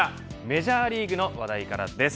メジャーリーグの話題からです。